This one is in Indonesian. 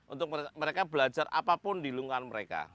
untuk mereka belajar apapun di lingkungan mereka